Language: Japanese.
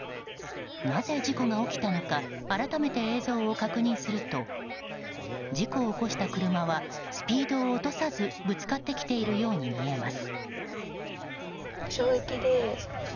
なぜ事故が起きたのか改めて映像を確認すると事故を起こした車はスピードを落とさずぶつかってきているように見えます。